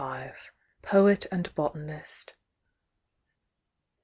332 ) POET AND BOTANIST.